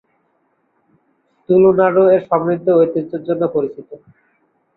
তুলু নাড়ু এর সমৃদ্ধ ঐতিহ্যের জন্য পরিচিত।